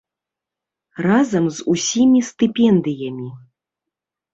Разам з усімі стыпендыямі.